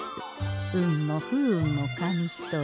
運も不運も紙一重。